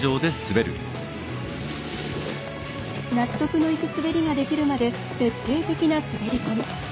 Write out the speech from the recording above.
納得のいく滑りができるまで徹底的な滑り込み。